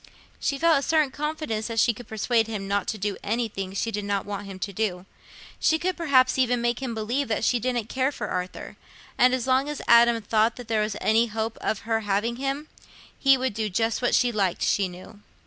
She felt a certain confidence that she could persuade him not to do anything she did not want him to do; she could perhaps even make him believe that she didn't care for Arthur; and as long as Adam thought there was any hope of her having him, he would do just what she liked, she knew.